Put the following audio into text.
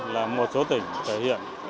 là một số tỉnh thể hiện